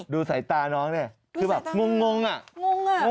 ดูสายตาน้องเนี่ยคือแบบงงอะ